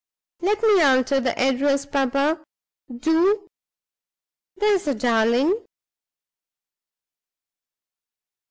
Let me alter the address, papa; do, there's a darling!"